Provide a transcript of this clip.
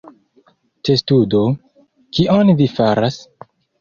Testudo: "Kion vi faras?"